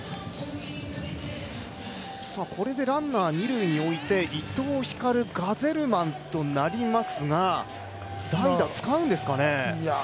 これでランナー二塁に置いて伊藤光、ガゼルマンとなりますが、代打、使うんですかね。